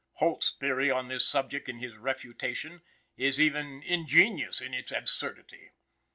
Holt's theory on this subject in his "Refutation" is even ingenious in its absurdity.